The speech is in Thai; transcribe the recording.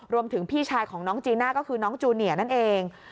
พี่ชายของน้องจีน่าก็คือน้องจูเนียนั่นเอง